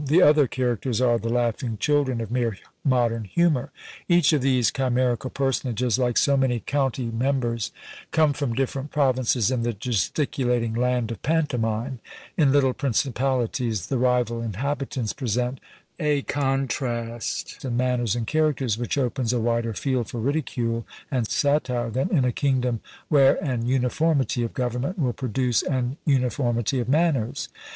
The other characters are the laughing children of mere modern humour. Each of these chimerical personages, like so many county members, come from different provinces in the gesticulating land of pantomime; in little principalities the rival inhabitants present a contrast in manners and characters which opens a wider field for ridicule and satire than in a kingdom where an uniformity of government will produce an uniformity of manners.